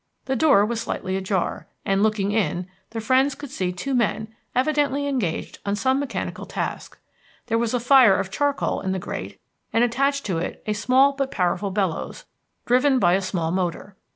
The door was slightly ajar, and looking in, the friends could see two men, evidently engaged on some mechanical task. There was a fire of charcoal in the grate, and attached to it a pair of small but powerful bellows, driven by a small motor.